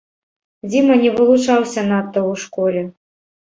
Дзіма не вылучаўся надта ў школе.